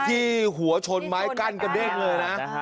ที่หัวชนไม้กั้นกระเด้งเลยนะ